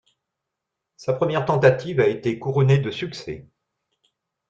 Sa première tentative a été couronnée de succès.